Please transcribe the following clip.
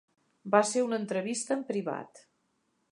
Va ser una entrevista en privat.